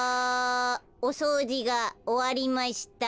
おそうじがおわりました。